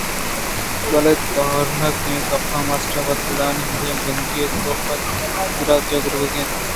بلئے تورناکیں گپ ماسٹر ءِ وت گلائیءُمزن گندی اَت کہ کاف ءِ دل ءَ جِک ورگ ءَ اَت